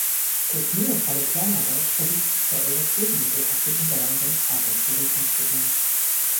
Durch mühevolle Kleinarbeit versucht Michael das Gegenmittel aus den Unterlagen seines Vaters zu rekonstruieren.